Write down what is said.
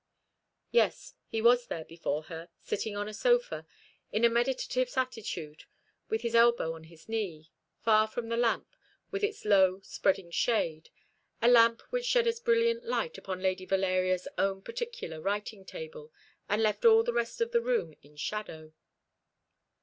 Yes, he was there before her, sitting on a sofa, in a meditative attitude, with his elbow on his knee, far from the lamp, with its low, spreading shade, a lamp which shed a brilliant light upon Lady Valeria's own particular writing table, and left all the rest of the room in shadow.